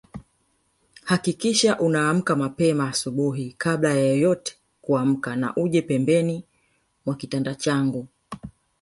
Hakikisha unaamka mapema asubuhi kabla ya yeyote kuamka na uje pembeni mwa kitanda changu